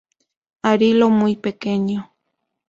Arilo muy pequeño.